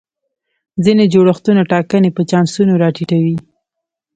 ځینې جوړښتونه ټاکنې په چانسونو را ټیټوي.